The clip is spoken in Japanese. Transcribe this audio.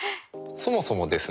そもそもですね